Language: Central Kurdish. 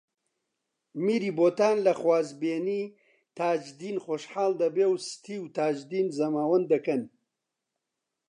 میری بۆتان لە خوازبێنیی تاجدین خۆشحاڵ دەبێ و ستی و تاجدین زەماوەند دەکەن